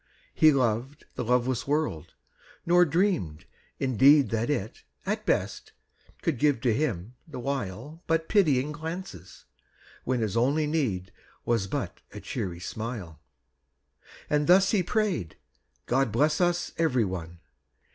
He loved the loveless world, nor dreamed, in deed. That it, at best, could give to him, the while. But pitying glances, when his only need Was but a cheery smile. And thus he prayed, " God bless us every one!"